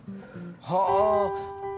はあ。